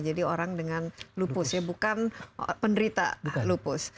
jadi orang dengan lupus ya bukan penderita lupus